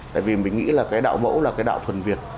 tại vì mình nghĩ là cái đạo mẫu là cái đạo thuần việt